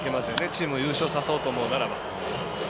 チームを優勝させると思うなら。